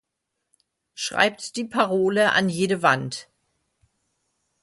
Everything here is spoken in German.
Schreibt die Parole an jede Wand.